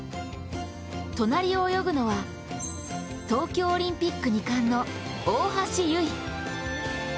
隣を泳ぐのは東京オリンピック２冠の大橋悠依。